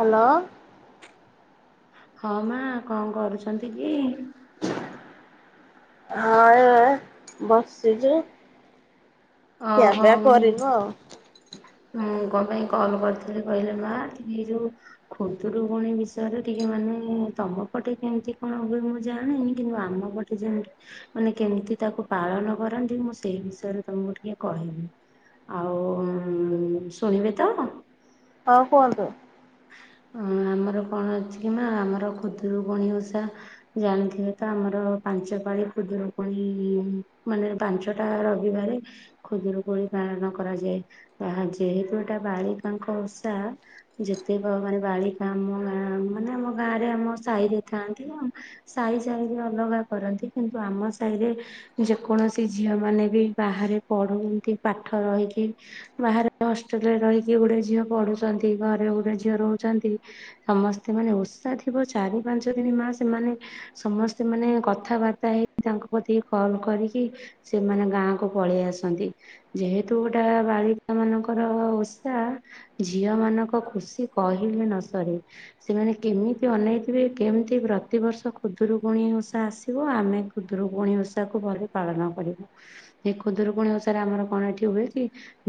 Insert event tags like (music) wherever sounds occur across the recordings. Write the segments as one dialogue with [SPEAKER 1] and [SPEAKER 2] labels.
[SPEAKER 1] Hello.
[SPEAKER 2] ହଁ ମା କଣ କରୁଛନ୍ତି କି?
[SPEAKER 1] ହଁ ଏ ଏ ବସିଚି।
[SPEAKER 2] ଓହୋ
[SPEAKER 1] ଖିଆପିଆ କରିନୁ ଆଉ।
[SPEAKER 2] ମୁଁ କଣ ପାଇଁ କଲ୍ କରିଥିଲି କହିଲେ ମା ଏ ଯୋଉ ଖୁଦୁରୁକୁଣୀ ବିଷୟରେ ଟିକେ ମାନେ ତମ ପଟେ କେମିତି କଣ ହୁଏ ମୁଁ ଜାଣିନି କିନ୍ତୁ ଆମ ପଟେ ମାନେ କେମିତି ତାକୁ ପାଳନ କରନ୍ତି ମୁଁ ସେଇ ବିଷୟରେ ତମକୁ ଟିକେ କହିବି। ଆଉ ଶୁଣିବେ ତ।
[SPEAKER 1] ହଁ କୁହନ୍ତୁ।
[SPEAKER 2] ଆମର କଣ ଅଛି କି ମା ଆମର ଖୁଦୁରୁକୁଣୀ ଓଷା ଜାଣିଥିବେ ତ ଆମର ପାଞ୍ଚ ପାଳି ଖୁଦୁରୁକୁଣୀ ମାନେ ପାଞ୍ଚ ଟା ରବିବାରେ ଖୁଦୁରୁକୁଣୀ ପାଳନ କରାଯାଏ। ତାହା ଯେହେତୁ ଏଟା ବାଳିକାଙ୍କ ଓଷା ଯେ (inaudible) ବାଳିକା ଆମ ଗାଁ ମାନେ ଆମ ଗାଁରେ ଆମ ସାହିରେ ଥାଆନ୍ତି। ସାହି ସାହିରେ ଅଲଗା କରନ୍ତି କିନ୍ତୁ ଆମ ସାହିରେ ଯେକୌଣସି ଝିଅ ମାନେ ବି ବାହାରେ ପଢନ୍ତି ପାଠ ରହିକି ବାହାରେ ହଷ୍ଟେଲରେ ରହିକି ଗୋଡ଼େ ଝିଅ ପଢୁଛନ୍ତି ଘରେ ଗୋରେ ଝିଅ ରହୁଛନ୍ତି। ସମସ୍ତେ ମାନେ ଓଷା ଥିବ ଚାରି ପାଞ୍ଚ ଦିନ ମା ସେମାନେ ସମସ୍ତେ ମାନେ କଥାବାର୍ତ୍ତା ହେଇକି ତାଙ୍କ କତିକି କଲ୍ କରିକି ସେମାନେ ଗାଁକୁ ପଳେଇ ଆସନ୍ତି। ଯେହେତୁ ଗୋଟା ବାଳିକା ମାନଙ୍କର ଓଷା ଝିଅ ମାନଙ୍କ ଖୁସି କହିଲେ ନ ସରେ। ସେମାନେ କେମିତି ଅନେଇଥିବେ କେମିତି ପ୍ରତିବର୍ଷ ଖୁଦୁରୁକୁଣୀ ଓଷା ଆସିବ ଆମେ ଖୁଦୁରୁକୁୁଣୀ ଓଷାକୁୁ ଭଲ ପାଳନ କରିବୁ ଏ ଖୁଦୁରୁକୁଣୀ ଓଷାରେ ଆମର କଣ ଏଠି ହୁଏ କି?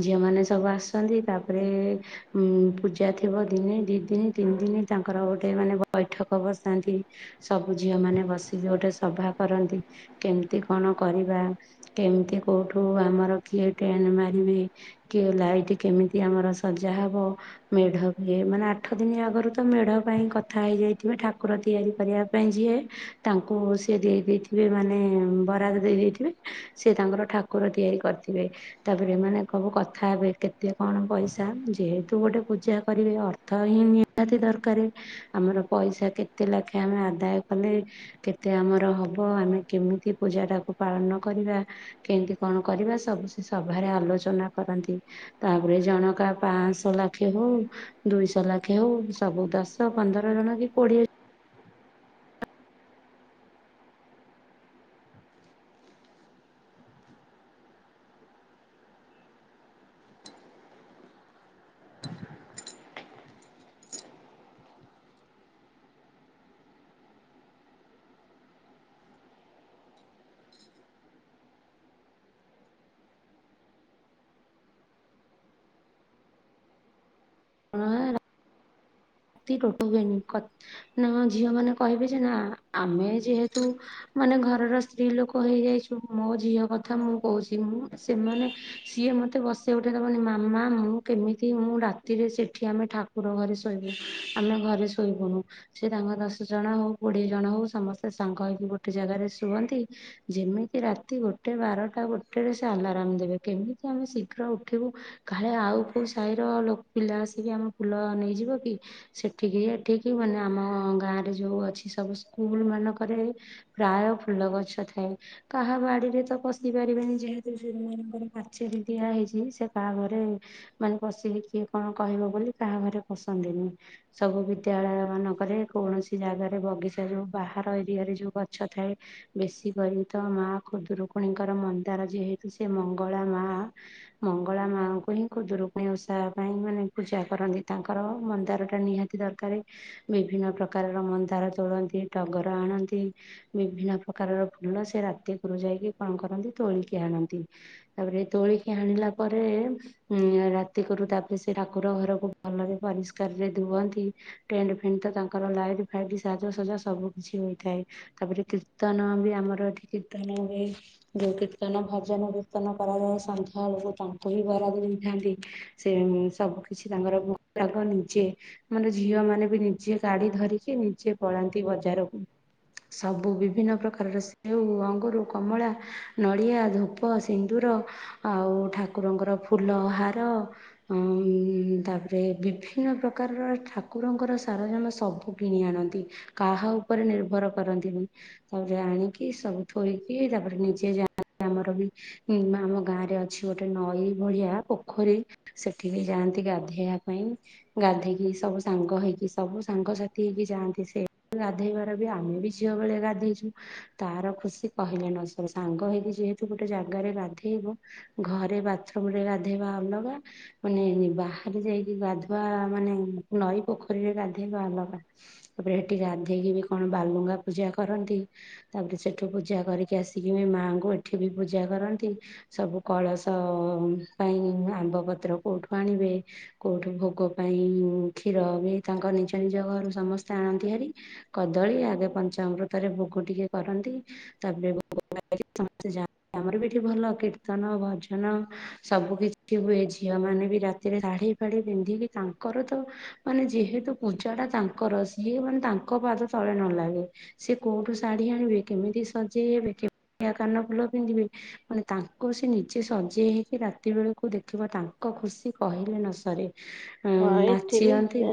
[SPEAKER 2] ଝିଅ ମାନେ ସବୁ ଆସନ୍ତି ତାପରେ ଉଁ- ପୂଜା ଥିବ ଦିନେ ଦି ଦିନି ତିନି ଦିନି ତାଙ୍କର ଗୋଟେ ମାନେ ବୈଠକ ବସାନ୍ତି। ସବୁ ଝିଅ ମାନେ ବସିକି ଗୋଟେ ସଭା କରନ୍ତି କେମତି କଣ କରିବା। କେମିତି କଉଠୁ ଆମର କିଏ ଟେଣ୍ଟ୍ ମାରିବେ। କିଏ ଲାଇଟି କେମିତି ଆମର ସଜା ହବ ମେଢ ଇଏ ମାନେ ଆଠ ଦିନି ଆଗରୁ ତ ମେଢ ପାଇଁ କଥା ହେଇଯାଇଥିବେ ଠାକୁର ତିଆରି କରିବା ପାଇଁ ଯିଏ ତାଙ୍କୁ ସିଏ ଦେଇ ଦେଇଥିବେ ମାନେ ବରାଦ ଦେଇ ଦେଇଥିବେ। ସିଏ ତାଙ୍କର ଠାକୁର ତିଆରି କରିଥିବେ। ତାପରେ ଏମାନେ ସବୁ କଥା ହେବେ କେତେ କଣ ପଇସା ଯେହେତୁ ଗୋଟେ ପୂଜା କରିବେ ଅର୍ଥ ହିଁ ନିହାତି ଦରକାରେ। ଆମର ପଇସା କେତେ ଲେଖାଏଁ ଆମେ ଆଦାୟ କଲେ କେତେ ଆମର ହବ ଆମେ କେମିତି ପୂଜାଟାକୁ ପାଳନ କରିବା କେନ୍ତି କଣ କରିବା ସବୁ ସେ ସଭାରେ ଆଲୋଚନା କରନ୍ତି। ତାପରେ ଜଣକା ପାଁଅଶ ଲାଖେ ରୁ ଦୁଇଶ ଲାଖେ ହଉ ସବୁ ଦଶ ପନ୍ଦର ଜଣ କି କୋଡିଏ
[SPEAKER 1] (unintelligible)
[SPEAKER 2] (unintelligible) (unintelligible) ନା ଝିଅ ମାନେ କହିବେ ଯେ ନା ଆମେ ଯେହେତୁ ମାନେ ଘରର ସ୍ତ୍ରୀ ଲୋକ ହେଇଯାଇଚୁ ମୋ ଝିଅ କଥା ମୁଁ କହୁଚି ମୁଁ। ସେମାନେ ସିଏ ମୋତେ ବସେଇ ଉଠେଇ ଦେବନି ମାମା ମୁଁ କେମିତି ମୁଁ ରାତିରେ ସେଠି ଆମେ ଠା ଠାକୁର ଘରେ ଶୋଇବୁ ଆମେ ଘରେ ଶୋଇବୁନୁ। ସେ ତାଙ୍କ ଦଶ ଜଣ ହଉ କୋଡିଏ ଜଣ ହଉ ସମସ୍ତେ ସାଙ୍ଗ ହେଇକି ଗୋଟେ ଜାଗାରେ ଶୁଅନ୍ତି। ଯେମିତି ରାତି ଗୋଟେ ବାରଟା ଗୋଟେ ରେ ସେ ଆଲାରାମ୍ ଦେବେ କେମିତି ଆମେ ଶୀଘ୍ର ଉଠିବୁ। କାଳେ ଆଉ କଉ ସାହିର ପିଲା ଆସିକି ଆମ ଫୁଲ ନେଇଯିବ କି ସେଠିକି ଏଠିକି ମାନେ ଆମ ଗାଁରେ ଯଉ ଅଛି ସବୁ ସ୍କୁଲ ମାନଙ୍କରେ ପ୍ରାୟ ଫୁଲ ଗଛ ଥାଏ। କାହା ବାଡିରେ ତ ପଶି ପାରିବେନି ଯେହେତୁ ସେମାନଙ୍କର ପାଚେରୀ ଦିଆ ହେଇଚି ସେ କାହା ଘରେ ମାନେ ପଶିକି କିଏ କଣ କହିବ ବୋଲି କାହା ଘରେ ପଶନ୍ତିନି। ସବୁ ବିଦ୍ୟାଳୟ ମାନଙ୍କରେ କୌଣସି ଜାଗାରେ ବଗିଚା ଯଉ ବାହାର ଏରିଆ ରେ ଯଉ ଗଛ ଥାଏ ବେଶୀ (unintelligible) ତ ମା ଖୁଦୁରୁକୁଣୀ ଙ୍କର ମନ୍ଦାର ଯେହେତୁ ସେ ମଙ୍ଗଳା ମା ମଙ୍ଗଳା ମାଙ୍କୁ ହିଁ ଖୁଦୁରୁକୁଣୀ ଓଷା ପାଇଁ ମାନେ ପୂଜା କରନ୍ତି ତାଙ୍କର ମନ୍ଦାର ନିହାତି ଦରକାରେ ବିଭିନ୍ନ ପ୍ରକାରର ମନ୍ଦାର ତୋଳନ୍ତି ଟଗର ଆଣନ୍ତି ବିଭିନ୍ନ ପ୍ରକାରର ଫୁଲ ସେ ରାତି କୁରୁ ଯାଇକି କଣ କରନ୍ତି ତୋଳିକି ଆଣନ୍ତି। ତାପରେ ତୋଳିକି ଆଣିଲା ପରେ ଉଁ -ରାତି କରୁ ତାପରେ ସେ ଠାକୁର ଘରକୁ ଭଲରେ ପରିଷ୍କାର ରେ ଧୁଅନ୍ତି ଟେଣ୍ଟେ ଫେଣ୍ଟେ ତ ତାଙ୍କର ଲାଇଟି ଫାଇଟି ସାଜସଜା ସବୁ କିଛି ହୋଇଥାଏ। ତାପରେ କୀର୍ତ୍ତନ ବି ଆମର ଏଠି କୀର୍ତ୍ତନ ହୁଏ। ଯଉ କୀର୍ତ୍ତନ ଭଜନ କୀର୍ତ୍ତନ କରାଯାଏ ସଂନ୍ଧ୍ୟା ଲୋକ ତାଙ୍କୁ ହିଁ ବରାଦ ଦେଇଥାନ୍ତି। ସେ ସବୁ କିିଛି ତାଙ୍କର ଭୋଗରାଗ ନିଜେ ଆମର ଝିଅ ମାନେ ବି ନିଜେ ଗାଡି ଧରିକି ନିଜେ ପଳାନ୍ତି ବଜାରକୁ। ସବୁ ବିଭିନ୍ନ ପ୍ରକାରର ସେଉ, ଅଙ୍ଗୁରୁ, କମଳା ନଡିଆ, ଧୂପ, ସିନ୍ଦୁର ଆଉ ଠାକୁରଙ୍କର ଫୁଲ ହାର ହୁଁ- ତାପରେ ବିଭିନ୍ନ ପ୍ରକା ପ୍ରକାରର ଠାକୁରଙ୍କର ସାରଜମା ସବୁ କିଣି ଆଣନ୍ତି। କାହା ଉପରେ ନିର୍ଭର କରନ୍ତିନି। ତାପରେ ଆଣିକି ସବୁ ଥୋଇକି ତାପରେ ନିଜେ ଯା (unintelligible) ଆମର ବି ହୁଁ ଆମ ଗାଁ ରେ ଅଛି ଗୋଟେ ନଈ ଭଳିଆ ପୋଖରୀ ସେଠିକି ଯାଆନ୍ତି ଗାଧୋଇଆ ପାଇଁ। ଗାଧେଇକି ସବୁ ସାଙ୍ଗ ହେଇକି ସବୁ ସାଙ୍ଗସାଥି ହେଇକି ଯାଆନ୍ତି, ସେ ଗାଧେଇବାର ବି ଆମେ ବି ଝିଅ ବେଳେ ଗାଧେଇଛୁ। ତାର ଖୁସି କହିଲେ ନସରେ ସାଙ୍ଗ ହେଇକି ଯେହେତୁ ଗୋଟେ ଜାଗାରେ ଗାଧେଇବ ଘରେ ବାଥରୁମ୍ ରେ ଗାଧେଇବା ଅଲଗା ମାନେ ବାହାରେ ଯାଇକି ଗାଧୋଇ ବା ମାନେ ନଈ ପୋଖରୀରେ ଗାଧେଇବା ଅଲଗା। ତାପରେ ହେଠି ଗଧେଇକି ବି କଣ ବାଲୁଙ୍ଗା ପୂଜା କରନ୍ତି। ତାପରେ ସେଠୁ ପୂଜା କରିକି ଆସିକି ବି ମାଆଙ୍କୁ ଏଠି ବି ପୂଜା କରନ୍ତି। ସବୁ କଳସ ଅମ ପାଇଁ ଆମ୍ବ ପତ୍ର କୋଉଠୁ ଆଣିବେ କୋଉଠୁ ଭୋ ଗ ପାଇଁ କ୍ଷୀର ବି ତାଙ୍କ ନିଜ ନିଜ ଘରୁ ସମସ୍ତେ ଆଣନ୍ତି ହେରି। କଦଳୀ ଆଗେ ପଞ୍ଚାମୃତରେ ଭୋଗ ଟିକେ କରନ୍ତି ତାପରେ ଭୋଗ (inaudible) ଆମର ବି ଏଠି ଭଲ କୀର୍ତ୍ତନ ଭଜନ ସବୁ କିଛି ହୁଏ। ଝିଅ ମାନେ ବି ରାତିରେ ଶାଢୀ ଫାଡି ପିନ୍ଧିକି ତାଙ୍କର ତ ମାନେ ଯେହେତୁ ପୂଜା ଟା ତାଙ୍କର ସିଏ ମାନେ ତାଙ୍କ ପାଦ ତଳେ ନ ଲାଗେ। ସେ କୋଉଠୁ ଶାଢୀ ଆଣିବେ କେମିତି ସଜେଇ ହେବେ କେମିତିଆ କାନ ଫୁଲ ପିନ୍ଧିବେ ମାନେ ତାଙ୍କୁ ସେ ନିଜେ ସଜେଇ ହେଇକି ରାତି ବେଳୁକୁ ଦେଖିବ ତାଙ୍କ ଖୁସି କହିଲେ ନ ସରେ।
[SPEAKER 1] ହଁ ଏଠି ବି
[SPEAKER 2] ନାଚିଅନ୍ତି
[SPEAKER 1] ସେଆ,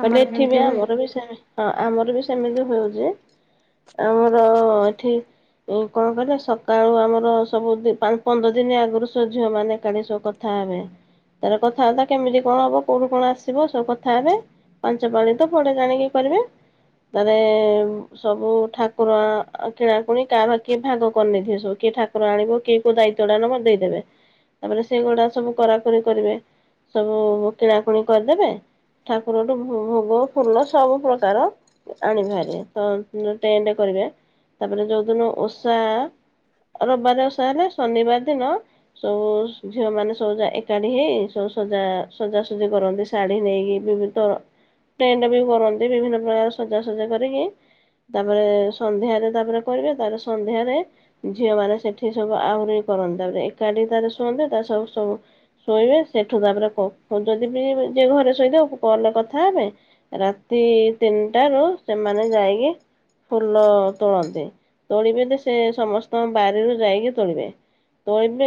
[SPEAKER 2] ତମର
[SPEAKER 1] ପଲେ ଏଠି
[SPEAKER 2] କେମିତି
[SPEAKER 1] ବି
[SPEAKER 2] ହୁଏ?
[SPEAKER 1] ଆମର ବି ସେମେ। ହଁ ଆମର ବି ସେମିତି ହୋଉଚି ଆମର ଏଠି ଏଁ କଁ କଇଲେ ସକାଳୁ ଆମର ସବୁ ଦି ପାଁ ପନ୍ଦର ଦିନି ଆଗୁରୁ ସ ଝିଅ ମାନେ କାଢି ସବ କର ଥାନ୍ତି। ତାରେ କଥାବାର୍ତ୍ତା କେମିତି କଣ ହବ କୋଉଠୁ କଣ ଆସିବ ସବୁ କଥା ହେବେ, ପାଞ୍ଚ ପାଳି ତ ପଡେ ଜାଣିକି କରିବେ। ତାରେ ସବୁ ଠାକୁର ଅ କିଣାକୁଣି କାହା ପାଖି ଭାଗ କରିନେଇଥିବେ ସବୁ କିଏ ଠା କୁର ଆଣିବ କିଏ କୋଉ ଦାୟିତ୍ଵ ଟା ନବ ଦେଇଦେବେ। ତାପରେ ସେଇଗୁଡା ସବୁ କରାକରି କରିବେ। ସବୁ କିଣାକୁଣି କରିଦେବେ। ଠାକୁରଠୁ ଭୋଗ, ଫୁଲ ସବୁ ପ୍ରକାର ଆଣିବେ ଭାରି ତ ଉଁ ଟେଣ୍ଡ କରିବେ। ତାପେରେ ଯୋଉଦିନ ଓଷା ରବବାରେ ଓଷା ହେଲେ ଶନିବାର ଦିନ ସୋ ଓସ୍ ଝିଅ ମାନେ ସବୁ ଯା ଏକାଠି ହେଇ ସଜା ସଜାସୁଜି କରନ୍ତି। ଶାଢ଼ୀ ନେଇକିଭି ଭିତ ଟେଣ୍ଡ ବି କରନ୍ତି। ବିଭିନ୍ନ ପ୍ରକାର ସଜାସଜା କରିକି ତାପରେ ସନ୍ଧ୍ୟାରେ ତାପରେ କରିବେ। ତାପରେ ସନ୍ଧ୍ୟାରେ ଝିଅ ମାନେ ସେଠି ସବୁ ଆହୁରି କରନି ତାପରେ ଏକାଠି ତାରେ ଶୁଅନ୍ତେ ତାରେ ସବୁ ସବୁ ଶୋଇବେ ସେଠୁ ତାପରେ କ କୋଉ ଯଦି ବି ଯିଏ ଘରେ ଶୋଇଥାଉ କଲ୍ ରେ କଥା ହେବେ। ରାତି ତିନଟାରୁ ସେମାନେ ଯାଇକି ଫୁଲ ତୋଳନ୍ତି। ତୋଳିବେ ଯେ ସେ ସମସ୍ତଙ୍କ ବାରିରୁ ଯାଇକି ତୋଳିବେ। ତ ଏବେ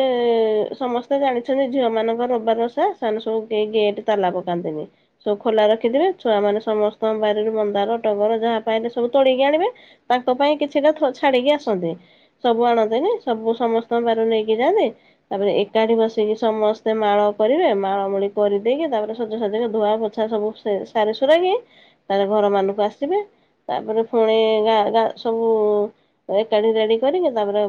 [SPEAKER 1] ସମସ୍ତେ ଜାଣିଛନ୍ତି ଝିଅ ମାନଙ୍କର ର ବାର ଓଷା ସାନୁ ସୋ କେଇ ଗେଟ୍ ତାଲା ପକାନ୍ତିନି। ସବୁ ଖୋଲା ରଖିଥିବେ। ଛୁଆ ମାନେ ସମସ୍ତଙ୍କ ବାରିରୁ ମନ୍ଦାର, ଟଗର ଯାହା ପାଇଲେ ସବୁ ତୋଳିକି ଆଣିବେ। ତାଙ୍କ ପାଇଁ କିଛିଟା ଥୋ ଛାଡିକି ଆସନ୍ତି। ସବୁ ଆଣନ୍ତିନି ସବୁ ସମସ୍ତଙ୍କ ବାରିରୁ ନେଇକି ଯାଆନ୍ତି। ତାପରେ ଏକାଠି ବସିକି ସମସ୍ତେ ମାଳ କରିବେ। ମାଳମୂଳି କରିଦେଇକି ତାପରେ, ସଜାସଜାକି ଧୁଆ, ପୋଛା ସବୁ ସେ ସାରିସୁରା କିି ତାହେଲେ ଘର ମାନଙ୍କୁ ଆସିବେ ତାପରେ ପୁଣି ଗା ଗାଁ ସବୁ ଏକାଠି ରେଡି କରିକି। ତାପରେ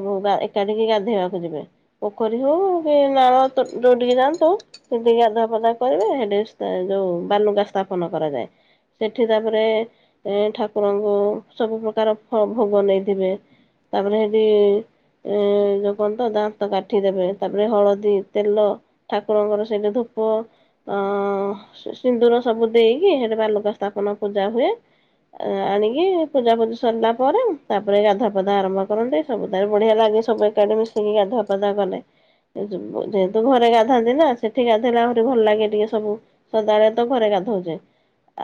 [SPEAKER 1] ଏକାଠିିକି ଗାଧେଇବାକୁ ଯିବେ। ପୋଖରୀ, ହଉ କି ନାଳ ଦୋଡିକି ଯାଆନ୍ତି ସବୁ। ସେଠି ଗାଧଆ ପଧା କରିବେ। ସେଠି ଯୋଉ ବାଲୁଗା ସ୍ଥାପନ କରାଯାଏ। ସେଠି ତାପରେ ଠାକୁରଙ୍କୁ ସବୁ ପ୍ରକାର ଭୋଗ ନେଇଥିବେ ତାପରେ ସେଠି ଏ ଯଉ କନ୍ତ ଦାନ୍ତ କାଠିଦେବେ ତାପରେ ହଳଦୀ, ତେଲ। ଠାକୁରଙ୍କର ସେଇଟେ ଧୂପ ଅ ସିନ୍ଦୁର ସବୁ ଦେଇକି। ସେଟ ବା ଲୋକ ସ୍ଥାପନ ପୂଜା ହୁଏ। ଆଣିକି ପୂଜା ପୂଜି ସରିଲା ପରେ ତାପରେ, ଗାଧା ପଧା ଆରମ୍ଭ କରନ୍ତି। ସବୁତ ବଢିଆ ଲାଗେ ସବୁ ଏକାଡେ ମିଶିକି ଗାଧୁ ଫାଧା କଲେ। ଯେହେତୁ ଘରେ ଗା ଗାଥାନ୍ତି ନା ସେଠି ଗାଧୋଇଲେ ଆହୁରି ଭଲ ଲାଗେ ଟିକେ ସବୁ ସଦାବେଳେ ତ ଘରେ ଗାଧଉଛେ।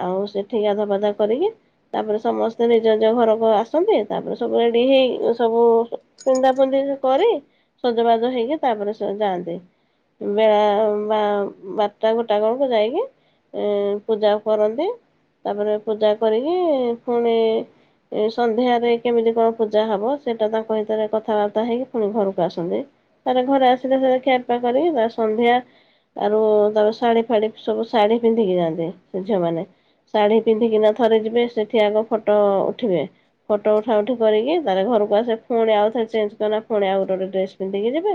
[SPEAKER 1] ଆଉ ସେଠି ଗଧା ବାଧା କରିକି ତାପରେ ସମସ୍ତେ ନିଜ ନିଜ ଘରକୁ ଆସନ୍ତି। ତାପରେ ସବୁ ରେଡି ହେଇ ସବୁ ପିନ୍ଧା ପିନ୍ଧି କରି, ସଜବାଜ ହେଇକି, ତାପରେ ସେ ଯାଆନ୍ତି। ବେଳା ବା ବାରଟା ଗୋଟା ବଳକୁ ଯାଇକି ଏ ପୂଜା କରନ୍ତି। ତାପରେ ପୂଜା କରିକି ପୁଣି ସନ୍ଧ୍ୟାରେ କେମିତି କଣ ପୂଜା ହବ? ସେଇଟା ତାଙ୍କ ଭିତରେ କଥାବାର୍ତ୍ତା ହେଇକି ପୁଣି ଘରକୁ ଆସନ୍ତି। ତାର ଘରେ ଆସିଲେ ସେ ଖିଆ ପିଆ କରି ତା ସନ୍ଧ୍ୟା ଆରୁ ତା ଶାଢୀ ଫାଢୀ ସବୁ ଶାଢୀ ପିନ୍ଧିକି ଯାଆନ୍ତି ସେ ଝିଅମାନେ। ଶାଢ଼ୀ ପିନ୍ଧିକିନା ଥରେ ଯିବେ। ସେଠି ଆଗ ଫଟୋ ଉଠିବେ। ଫଟୋ ଉଠା ଉଠି କରିକି ତା ଘରକୁ ଆସେ ପୁଣି ଆଉ ଥରେ ଚଞ୍ଜ ଆଉ ଗଟେ ଗଟେ ଡ୍ରେସ ପିନ୍ଧିକି ଯିବେ।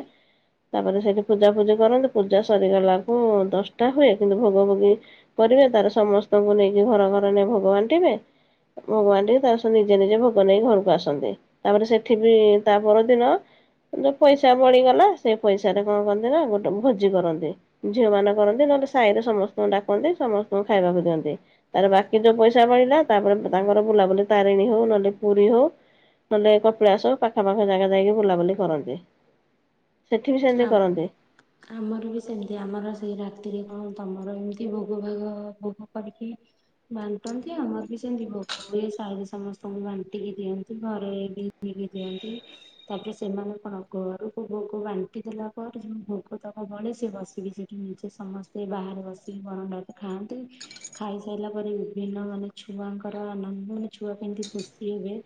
[SPEAKER 1] ତାପରେ ସେଇଠି ପୂଜା ଫୂଜି କରନ୍ତିୁ ପୂଜା ସରିଗଲାକୁ ଦଶଟା ହୁଏ। କିନ୍ତୁ ଭୋଗ ଭୋଗି କରିବେ ତାର ସମସ୍ତଙ୍କୁ ନେଇକି ଘର ଘର ନେଇ ଭୋଗ ବାନ୍ଟିବେ। (inaudible) ତାର ନିଜେ ନିଜେ ଭୋଗ ନେଇକି ଘରକୁ ଆସନ୍ତି। ତାପରେ ସେଠି ବି ତା ପରଦିନ ଯୋଉ ପଇସା ବଳିଗଲା ସେଇ ପଇସାାରେ କଣ କରନ୍ତି ନା ଗୋଟେ ଭୋଜି କରନ୍ତି। ଝିଅ ମାନ କରନ୍ତି। ନହେଲେ ସାହି ରେ ସମସ୍ତଙ୍କୁ ଡାକନ୍ତି। ସମସ୍ତଙ୍କୁ ଖାଇବାକୁ ଦିଅନ୍ତି। ତାରେ ବାକି ଯୋଉ ପଇସା ବଳିଲା ତାପରେ ତାଙ୍କର ବୁଲାବୁଲି ତାରିଣୀ ହଉ ନହେଲେ ପୁରୀ ହଉ ନହେଲେ କପିଳାସ ପାଖାପାଖ ଜାଗା ଯାଇକି ବୁଲାବୁଲି କରନ୍ତି। ସେଠି ବି ସେମିତି କରନ୍ତି।
[SPEAKER 2] ଆମର ବି ସେମିତି ଆମର ସେଇ ରାତିରେ କଣ ତମର ଏମତି ଭୋଗ ଭାଗ ଭୋଗ କରିକି ବାଣ୍ଟନ୍ତି ଆମର ବି ସେମିତି ଭୋଗ ସାଇରେ ସମସ୍ତଙ୍କୁ ବାଣ୍ଟିକି ଦିଅନ୍ତି ଘରେ ବି ନେଇକି ଦିଅନ୍ତି। ତାପରେ ସେମାନେ କଣ ଘରୁକୁ ଭୋଗ ବାନ କଟି ଦେଲା ପରେ ଯୋଉ ଭୋଗତକ ବଳେ ସେ ବସିକି ସେଠି ନିଜେ ସମସ୍ତେ ବାହାରେ ବସିକି ବନ ଡ ଖାଆନ୍ତିି। ଖାଇସାରିଲା ପରେ ବିଭିନ୍ନ ମାନେ ଛୁଆଙ୍କର ଆନନ୍ଦ ମାନେ ଛୁଆ କେମିତି ଖୁସି ହେବେ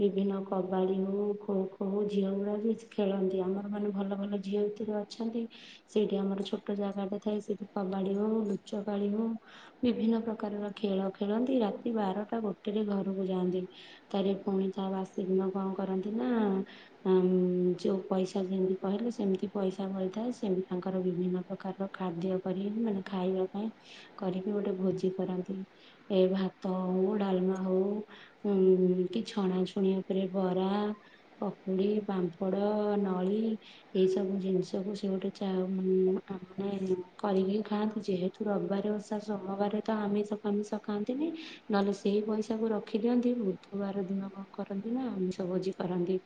[SPEAKER 2] ବିଭିନ୍ନ କବାଡି ହଉ ଖୋ ଖୋ ହଉ ଝିଅ ଗୁଡା ବି ଖେଳନ୍ତି ଆମର ମାନେ ଭଲ ଭଲ ଝିଅ ଭିତରେ ଅଛନ୍ତି। ସେଇଠି ଆମର ଛୋଟ ଜାଗାଟେ ଥାଏ ସେଠି କବାଡି ହଉ ଲୁଚକାଳି ହଉ ବିଭିନ୍ନ ପ୍ରକାରର ଖେଳ ଖେଳନ୍ତି ରାତି ବାରଟା ଗୋଟେରେ ଘରକୁ ଯାଆନ୍ତି। ତାରେ ପୁଣି ତା ବାସି ଦିନ କଣ କରନ୍ତି ନା ଆ ଯୋଉ ପଇସା ଯେମିତି କହିଲେ ସେମିତି ପଇସା ମିଳିଥାଏ ସେମିତି ତାଙ୍କର ବିଭିନ୍ନ ପ୍ରକାରର ଖାଦ୍ୟ କରି ମାନେ ଖାଇବା ପାଇଁ କରିକି ଗୋଟେ ଭୋଜି କରନ୍ତି ଏ ଭାତ ହଉ ଡାଲମା ହଉ। ଉଁ କି ଛଣାଛୁଣି ଉପରେ ବରା। ପକୁଡି ପାମ୍ପଡ ନଳି। ଏଇ ସବୁ ଜିନିଷକୁ ସେ ଗୋଟେ ଚା ମାନ ଆ ମାନେ କରିକି ଖାଆନ୍ତୁ ଯେହେତୁ ରବିବାରେ ଓଷା ସୋମବାର ତ ଆମିସ ଫାମିଷ ଖାଆନ୍ତିନି। ନହେଲେ ସେଇ ପଇସା କୁ ରଖିଦିଅନ୍ତି ବୁଧୁବାର ଦିନ କଣ କରନ୍ତି ନା ଅମିଷ ଭୋଜି କରନ୍ତି।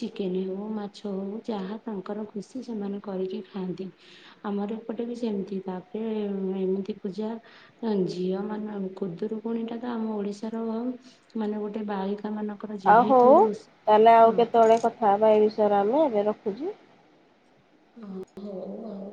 [SPEAKER 2] ଚିକେନ ହଉ ମାଛ ହଉ ଯାହା ତାଙ୍କର ଖୁସି ସେମାନେ କରିକି ଖାଆନ୍ତି। ଆମର ଏପଟେରେ ବି ସେମିତି ତାପରେ ଏମିତି ପୂଜା। ଝିଅ ମାନେ କୁଦୁରୁକୁୁଣୀ ଟା ତ ଆମ ଓଡିଶାର ମାନେ ଗୋଟେ ବାଳିକା ମାନ
[SPEAKER 1] ଆ ହଉ ତାହେଲେ ଆଉ କେତେବେଳେ କଥା ହେବା ଏ ବିଷୟରେ ଆମେ ଏବେ ରଖୁଛି।
[SPEAKER 2] ଅଁ ହଁ। ହଉ ଆଉ